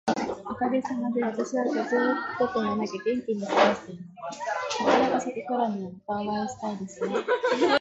おかげさまで、私は風邪をひくこともなく元気に過ごしています。桜が咲くころには、またお会いしたいですね。